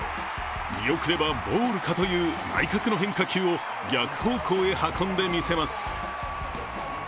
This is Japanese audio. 見送ればボールかという内角の変化球を逆方向へ運んでみせます。